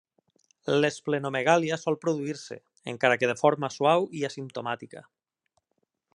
L'esplenomegàlia sol produir-se, encara que de forma suau i asimptomàtica.